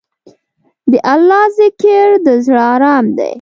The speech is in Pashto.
د الله ذکر، د زړه ارام دی.